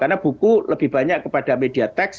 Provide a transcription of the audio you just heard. karena buku lebih banyak kepada media teks